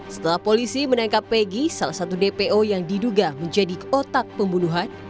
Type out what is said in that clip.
setelah polisi menangkap pegi salah satu dpo yang diduga menjadi otak pembunuhan